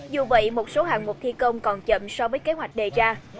dù vậy một số hạng mục thi công còn chậm so với kế hoạch đề ra